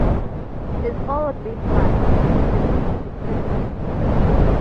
It's all a bit much, and a bit depressing.